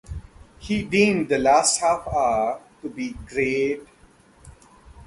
He deemed the last half hour to be "great".